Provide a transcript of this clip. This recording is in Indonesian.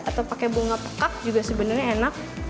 atau pakai bunga pekak juga sebenarnya enak